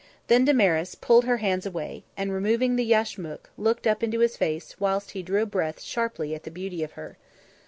Then Damaris pulled her hands away and, removing the yashmak, looked up into his face, whilst he drew a breath sharply at the beauty of her.